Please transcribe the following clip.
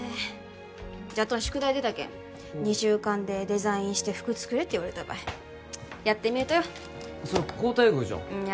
じゃっどん宿題出たけん２週間でデザインして服作れって言われたばいやってみるとよそれ好待遇じゃんんにゃ